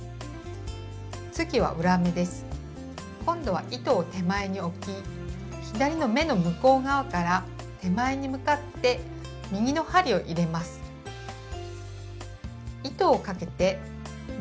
今度は糸を手前に置き左の目の向こう側から手前に向かって右の針を入れます。